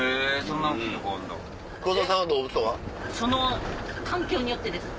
その環境によってです。